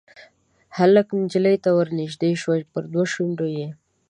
هلک نجلۍ ته ورنیژدې شو پر دوو شونډو یې